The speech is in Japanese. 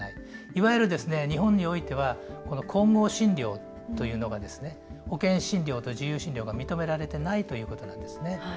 いわゆる日本においては混合診療というのがですね保険診療と自由診療が認められてないということなんですね。